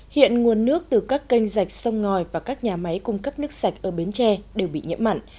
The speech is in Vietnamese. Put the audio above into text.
hiện nguồn nước từ các kênh rạch sông ngòi và các nhà máy cung cấp nước sạch ở bến tre đều bị nhiễm mặn